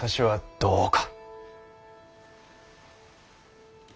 どうか。